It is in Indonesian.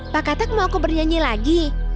pak katak mau aku bernyanyi lagi